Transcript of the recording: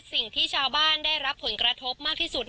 สิ่งที่ชาวบ้านได้รับผลกระทบมากที่สุด